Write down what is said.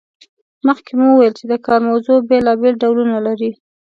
مخکې مو وویل چې د کار موضوع بیلابیل ډولونه لري.